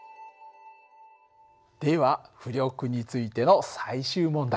では浮力についての最終問題。